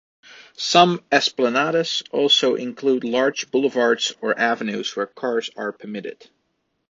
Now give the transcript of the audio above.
Some esplanades also include large boulevards or avenues where cars are permitted.